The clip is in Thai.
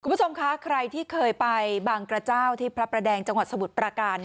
คุณผู้ชมคะใครที่เคยไปบางกระเจ้าที่พระประแดงจังหวัดสมุทรปราการ